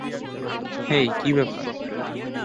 হেই, কী ব্যাপার?